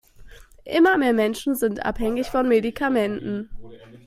Immer mehr Menschen sind abhängig von Medikamenten.